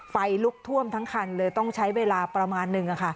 ไฟลุกท่วมทั้งคันเลยต้องใช้เวลาประมาณนึง